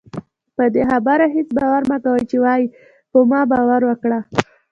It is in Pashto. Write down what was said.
پدې خبره هېڅ باور مکوئ چې وايي په ما باور وکړه